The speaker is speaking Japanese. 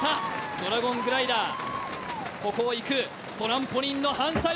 ドラゴングライダー、ここをいくトランポリンの反作用